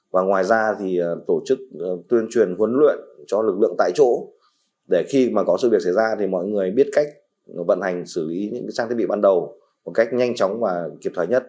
và ngoài ra thì tổ chức tuyên truyền huấn luyện cho lực lượng tại chỗ để khi mà có sự việc xảy ra thì mọi người biết cách vận hành xử lý những trang thiết bị ban đầu một cách nhanh chóng và kịp thời nhất